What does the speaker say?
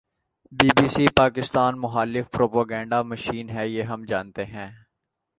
Be B C, Pakistan مخالف propaganda machine ہے۔ یہ ہم جانتے ہیں